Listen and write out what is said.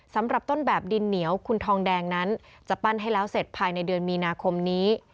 สำหรับต้นแบบดินเหนียวคุณทองแดงนั้นจะปั้นให้แล้วเสร็จภายในเดือนมีนาคมนี้